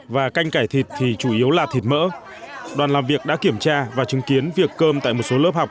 và canh cải thịt thì chủ yếu là thịt mỡ đoàn làm việc đã kiểm tra và chứng kiến việc cơm tại một số lớp học